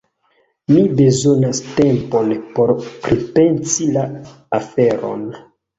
Mi bezonas tempon por pripensi la aferon.